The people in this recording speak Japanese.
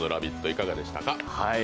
いかがでしたか？